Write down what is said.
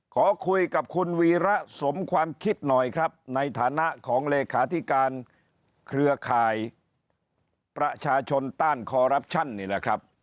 ขอคุยกับคุณวีระสมความคิดหน่อยครับในฐานะของเลขาธิการเครือข่ายประชาชนต้านคอรัปชั่นนี่แหละครับ